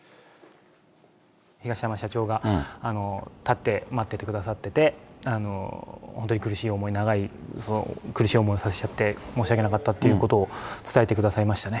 東山社長が、立って、待っててくださってて、本当に苦しい思い、長い、苦しい思いをさせちゃって申し訳なかったということを伝えてくださいましたね。